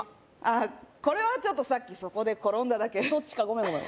これはちょっとさっきそこで転んだだけそっちかごめんごめん